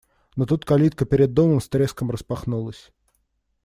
Но тут калитка перед домом с треском распахнулась.